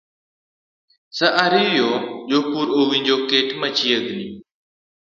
Mar ariyo jopur owinjo oket machiegni